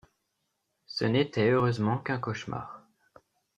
Ce n'était heureusement qu'un cauchemar.